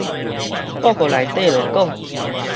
報告內底就講